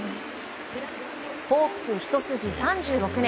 ホークスひと筋３６年。